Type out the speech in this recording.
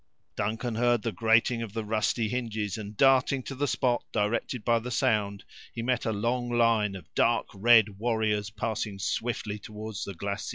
Duncan heard the grating of the rusty hinges, and darting to the spot, directed by the sound, he met a long line of dark red warriors, passing swiftly toward the glacis.